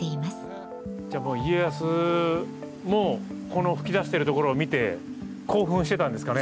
家康もこの噴き出してるところを見て興奮してたんですかね。